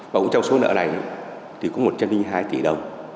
và cũng trong số nợ này thì có một trăm linh hai tỷ đồng